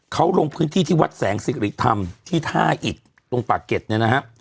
เขาลงพื้นที่ที่วัดแสงสิริธรรมที่ท่าอิตตรงปากเก็ตเนี่ยนะฮะ